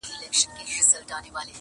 o له خوښیو په جامو کي نه ځاېږي,